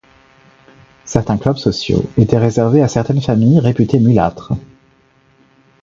Certains clubs sociaux étaient réservés à certaines familles réputées mulâtres.